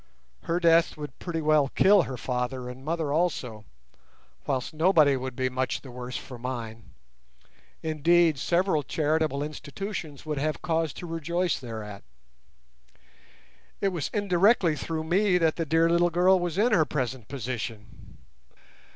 Her death would pretty well kill her father and mother also, whilst nobody would be much the worse for mine; indeed, several charitable institutions would have cause to rejoice thereat. It was indirectly through me that the dear little girl was in her present position.